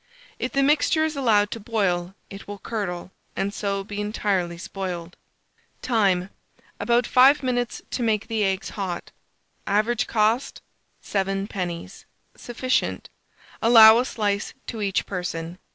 If the mixture is allowed to boil, it will curdle, and so be entirely spoiled. Time. About 5 minutes to make the eggs hot. Average cost, 7d. Sufficient. Allow a slice to each person.